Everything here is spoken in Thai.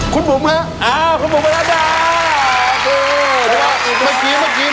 คุณบุ๋มคะอ้าวคุณบุ๋มมาแล้วค่ะขอบคุณ